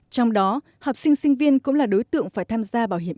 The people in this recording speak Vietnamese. trong đó học sinh sinh viên cũng là đối tượng phải tham gia bảo hiểm y tế